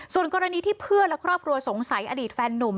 ส่วนกรณีที่เพื่อนและครอบครัวสงสัยอดีตแฟนนุ่ม